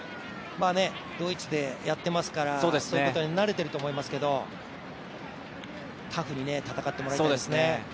ドイツでやっていますから、そういうことになれていると思いますけどタフに戦ってもらいたいですね。